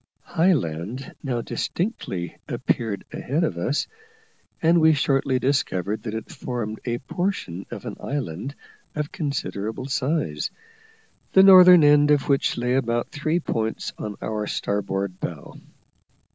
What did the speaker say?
High land now distinctly appeared ahead of us, and we shortly discovered that it formed a portion of an island of considerable size, the northern end of which lay about three points on our starboard bow.